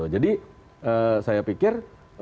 jadi saya pikir